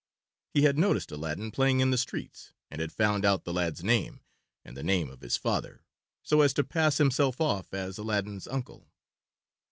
He had noticed Aladdin playing in the streets and had found out the lad's name and the name of his father, so as to pass himself off as Aladdin's uncle.